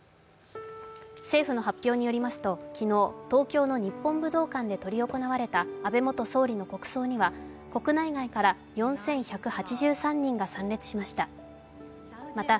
政府の発表によりますと昨日、東京の日本武道館で執り行われた安倍元総理の国葬には国内外から４１８３人が参列しました。